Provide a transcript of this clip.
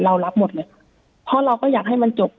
รับหมดเลยค่ะเพราะเราก็อยากให้มันจบ